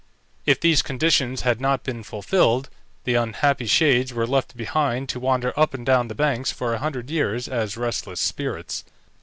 If these conditions had not been fulfilled, the unhappy shades were left behind to wander up and down the banks for a hundred years as restless spirits.